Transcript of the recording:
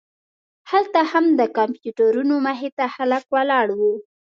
هلته هم د کمپیوټرونو مخې ته خلک ولاړ وو.